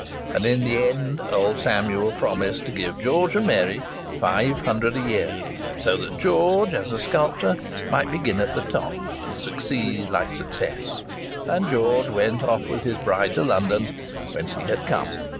And in the end old Samuel promised to give George and Mary five hundred a year, so that George, as a sculptor, might begin at the top and "succeed like success." And George went off with his bride to London, whence he had come.